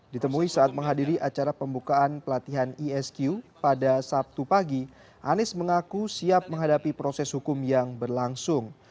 ditemui saat menghadiri acara pembukaan pelatihan esq pada sabtu pagi anies mengaku siap menghadapi proses hukum yang berlangsung